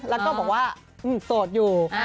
แล้วก็บอกว่าโสดอยู่